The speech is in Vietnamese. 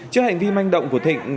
trước hành vi manh động của thịnh